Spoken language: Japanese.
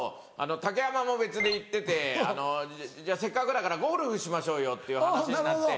竹山も別で行っててじゃあせっかくだからゴルフしましょうよっていう話になって。